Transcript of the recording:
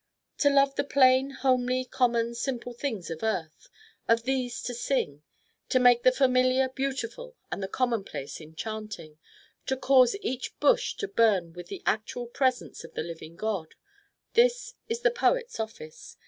To love the plain, homely, common, simple things of earth, of these to sing; to make the familiar beautiful and the commonplace enchanting; to cause each bush to burn with the actual presence of the living God: this is the poet's office.